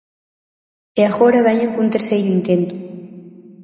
E agora veñen cun terceiro intento.